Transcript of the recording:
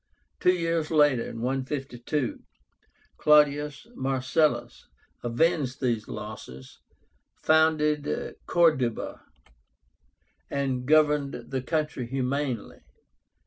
Two years later (152), CLAUDIUS MARCELLUS avenged these losses, founded Corduba, and governed the country humanely.